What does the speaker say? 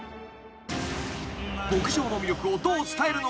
［牧場の魅力をどう伝えるのか？］